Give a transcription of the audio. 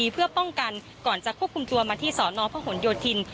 เพื่อป้องกันก่อนจะควบคุมตัวมาที่สนพหนโยธิน